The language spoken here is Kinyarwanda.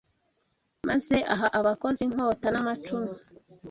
maze aha abakozi inkota n’amacumu.